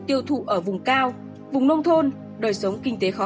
tiêu thụ ở vùng cao vùng nông thôn đời sống kinh tế khó